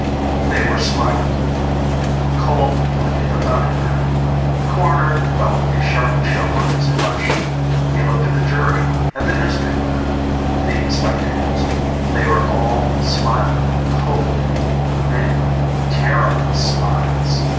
They were smiling. Cole pointed the fountain pen. The Coroner felt a sharp chill on his flesh. He looked at the jury, at the newspaperman, the spectators. They were all smiling cold, thin, terrible smiles....